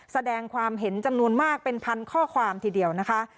แสดงความเห็นจำนวนมากเป็นพันข้อความทีเดียวนะคะ